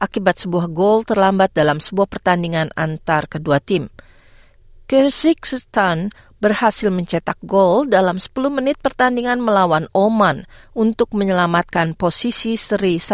kepala who tedros adhanom ghebreyesus menangis ketika meminta solusi politik